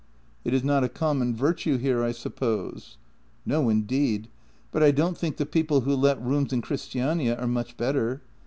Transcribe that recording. " It is not a common virtue here, I suppose? "" No, indeed. But I don't think the people who let rooms in Christiania are much better.